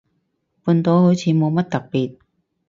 半島好似冇乜特別